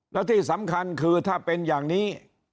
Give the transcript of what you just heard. แล้วที่สำคัญคือถ้าเป็นอย่างนี้